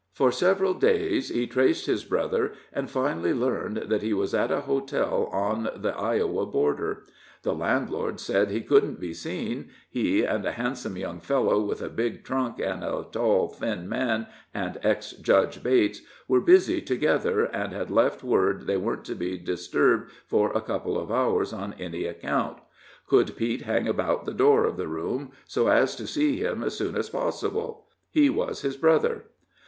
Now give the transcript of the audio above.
For several days he traced his brother, and finally learned that he was at a hotel on the Iowa border. The landlord said that he couldn't be seen; he, and a handsome young fellow, with a big trunk, and a tall, thin man, and ex Judge Bates, were busy together, and had left word they weren't to be disturbed for a couple of hours on any account. Could Pete hang about the door of the room, so as to see him as soon as possible? he was his brother.